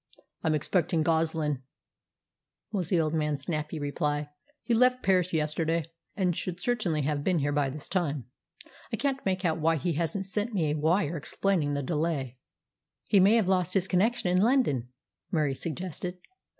"I'm expecting Goslin," was the old man's snappy reply. "He left Paris yesterday, and should certainly have been here by this time. I can't make out why he hasn't sent me a 'wire' explaining the delay." "He may have lost his connection in London," Murie suggested.